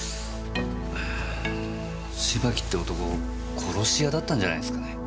芝木って男殺し屋だったんじゃないんですかね？